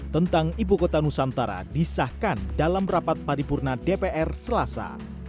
tentang ibu kota nusantara disahkan dalam rapat paripurna dpr selasa